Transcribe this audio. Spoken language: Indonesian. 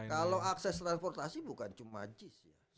kalau akses transportasi bukan cuma jis ya